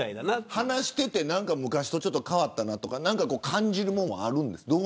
話していて昔と変わったとか感じているものはありますか。